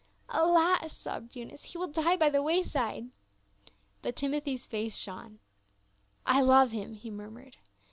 " Alas !" sobbed Eunice, " he will die by the way side." But Timothy's face shone. " I love him," he mur mured.